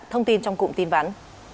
thông tin trong cụm tin vắn